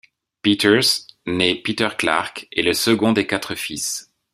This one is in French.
Peters, né Peter Clarke, est le second de quatre fils.